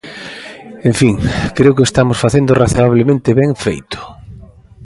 En fin, creo que o estamos facendo razoablemente ben feito.